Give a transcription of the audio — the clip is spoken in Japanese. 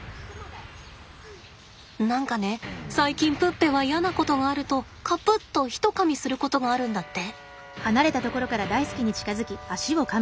何かね最近プッペは嫌なことがあるとカプッとひとかみすることがあるんだって。